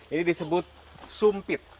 ini disebut sumpit